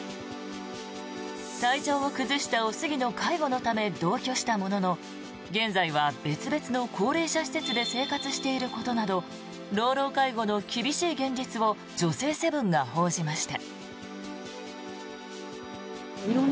体調を崩したおすぎの介護のため同居したものの現在は別々の高齢者施設で生活していることなど老老介護の厳しい現実を「女性セブン」が報じました。